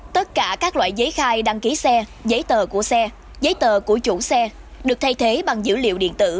tất cả các loại giấy khai đăng ký xe giấy tờ của xe giấy tờ của chủ xe được thay thế bằng dữ liệu điện tử